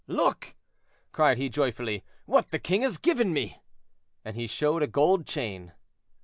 "Look!" cried he joyfully, "what the king has given me," and he showed a gold chain.